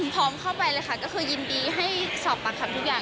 พร้อมเข้าไปเลยค่ะก็คือยินดีให้สอบปากคำทุกอย่าง